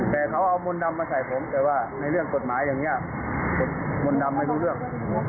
แต่เขาเอามนต์ดำมาใส่ผมแต่ว่าในเรื่องกฎหมายอย่างนี้มนต์ดำไม่รู้เรื่อง